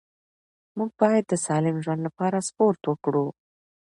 موږ باید د سالم ژوند لپاره سپورت وکړو